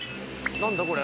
何だこれ？